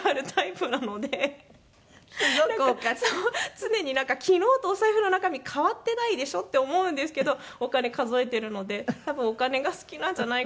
常になんか昨日とお財布の中身変わってないでしょ？って思うんですけどお金数えているので多分お金が好きなんじゃないかなと。